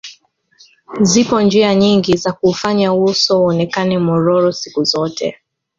Zipo njia nyingi za kuufanya uso uonekane mwororo siku zote